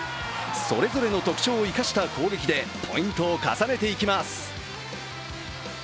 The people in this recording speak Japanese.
それぞれの特長を生かした攻撃でポイントを重ねていきます。